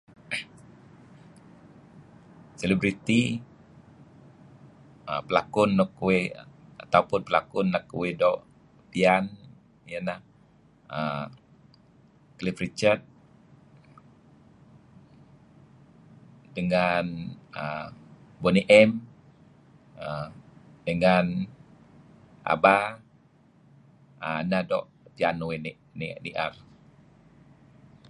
Celebrity pelakon luk uih atau pun pelakon luk uih doo' piyan iyeh neh err Cliff Richard dengan err Bonny M err dengan Abba err neh nuk piyan uih ni'er.